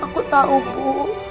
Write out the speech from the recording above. aku tahu bu